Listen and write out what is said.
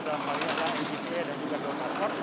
dalam hal ini ada igc dan juga dokor